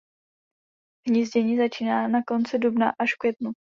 Hnízdění začíná na konci dubna až v květnu.